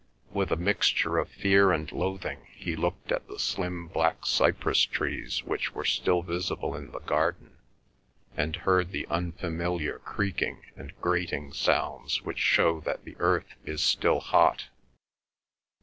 With a mixture of fear and loathing he looked at the slim black cypress trees which were still visible in the garden, and heard the unfamiliar creaking and grating sounds which show that the earth is still hot.